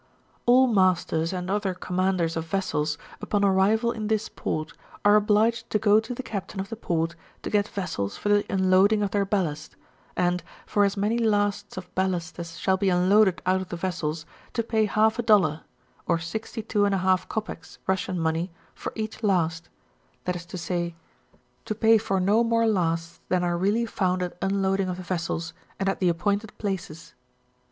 All masters and other commanders of vessels, upon arrival in this port, are obliged to go to the captain of the port to ^et vessels for the unloading of their ballast; and, for as many lasts of ballast as shall be unloaded out of the vessels, to pay half a dollar, or sixty two and a half copecks, Russian money, for each last; that is to say, to pay REGULATIONS AND ORDERS. 23 for BO more lasts ih&n are really found at unloading of the vessels, and at the appointed places.